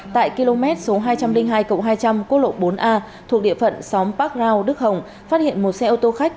tại km số hai trăm linh hai hai trăm linh quốc lộ bốn a thuộc địa phận xóm park rao đức hồng phát hiện một xe ô tô khách